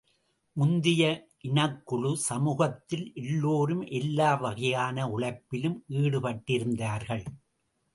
முந்திய இனக்குழு சமூகத்தில் எல்லோரும், எல்லா வகையான உழைப்பிலும் ஈடுபட்டிருந்தார்கள்.